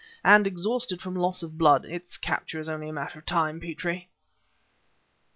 And exhausted from loss of blood, its capture is only a matter of time, Petrie."